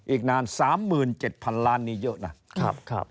อีกนานสามหมื่นเจ็ดพันล้านนี่เยอะน่ะครับครับ